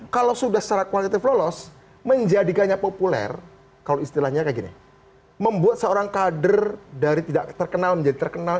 kalau sudah secara kualitatif lolos menjadikannya populer kalau istilahnya kayak gini membuat seorang kader dari tidak terkenal menjadi terkenal